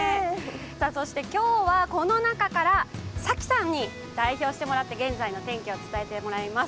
そして今日はこの中からさきさんに代表してもらって現在の天気を伝えてもらいます。